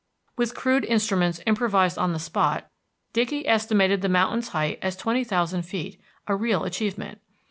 With crude instruments improvised on the spot, Dickey estimated the mountain's height as twenty thousand feet a real achievement.